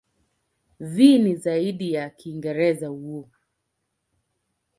V ni zaidi ya Kiingereza "w".